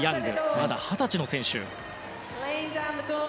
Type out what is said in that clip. まだ二十歳の選手。